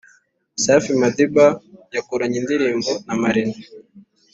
Safi madiba yakoranye indirimbo na marina